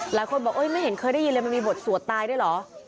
หลายคนบอกไม่เห็นเคยได้ยินเลยมันมีบทสวดตายด้วยเหรอ